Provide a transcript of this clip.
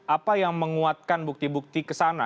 apa yang menguatkan bukti bukti ke sana